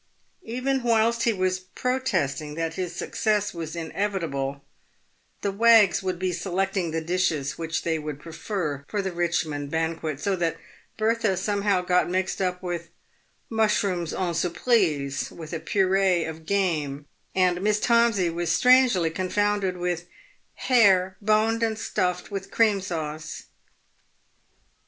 Even whilst he was protesting that his success was inevitable, the wags would be selecting the dishes which they would prefer for the Richmond banquet ; so that Bertha somehow got mixed up with " Mushrooms en surprise, with a puree of game," and Miss Tomsey was strangely confounded with " hare boned and stuffed, with cream sauce."